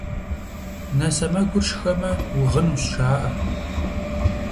Нэ сэмэгур шхэмэ, угъынущ, жаӏэ.